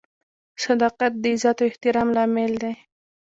• صداقت د عزت او احترام لامل دی.